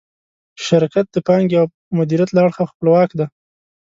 شرکت د پانګې او مدیریت له اړخه خپلواک دی.